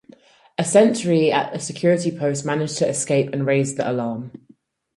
A sentry at a security post managed to escape and raise the alarm.